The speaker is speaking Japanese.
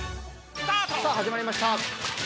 さあ始まりました。